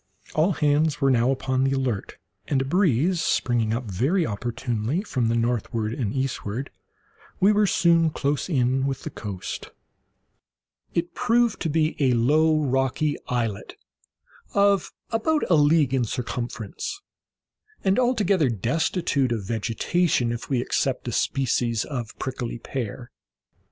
All hands were now upon the alert, and, a breeze springing up very opportunely from the northward and eastward, we were soon close in with the coast. It proved to be a low rocky islet, of about a league in circumference, and altogether destitute of vegetation, if we except a species of prickly pear.